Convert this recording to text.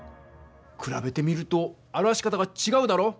くらべてみると表し方がちがうだろう？